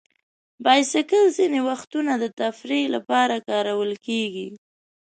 بایسکل ځینې وختونه د تفریح لپاره کارول کېږي.